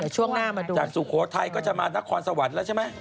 ช่วงหน้ามาดูจากสุโขทัยก็จะมานครสวรรค์แล้วใช่ไหม